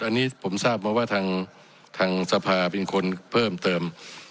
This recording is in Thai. อันนี้ผมทราบมาว่าทางสภาเป็นคนเพิ่มเติม